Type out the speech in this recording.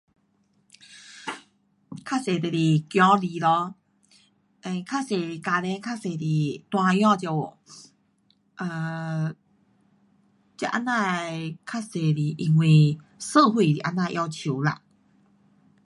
较多就是孩儿咯，um 家庭较多是长子照顾。um